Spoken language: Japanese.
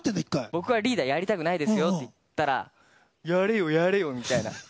僕はリーダーやりたくないですよって言ったらやれよやれよみたいな。